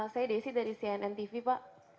saya desi dari cnn tv pak